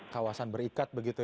kawasan berikat begitu ya